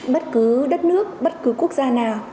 bất cứ đất nước bất cứ quốc gia nào